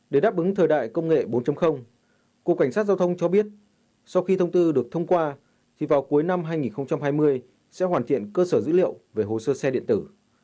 để đáp ứng thời đại công nghệ bốn cục cảnh sát giao thông cho biết sau khi thông tư được thông qua thì vào cuối năm hai nghìn hai mươi sẽ hoàn thiện cơ sở dữ liệu về hồ sơ xe điện tử